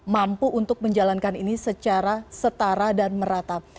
mampu untuk menjalankan ini secara setara dan merata